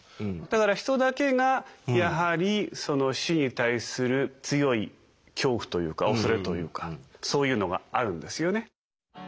だからヒトだけがやはりその死に対する強い恐怖というか恐れというかそういうのがあるんですよね。